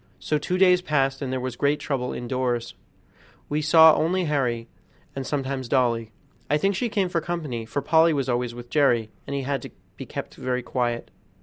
So two days passed, and there was great trouble indoors. We only saw Harry, and sometimes Dolly. I think she came for company, for Polly was always with Jerry, and he had to be kept very quiet.